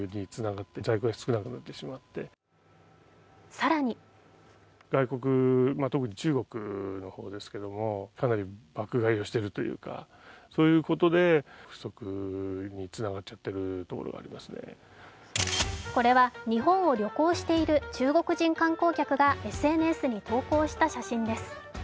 更にこれは、日本を旅行している中国人観光客がＳＮＳに投稿した写真です。